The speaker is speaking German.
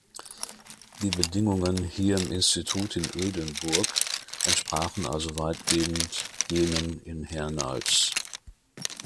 Die Bedingungen hier im Institut in Ödenburg entsprachen also weitgehend jenen in Hernals.